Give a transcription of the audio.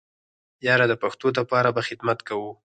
ياره د پښتو د پاره به خدمت کوو.